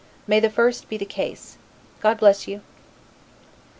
May the first be the case! God bless you!